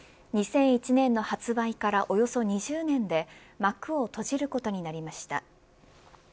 ２００１年の発売からおよそ２０年で幕を閉じることになりました。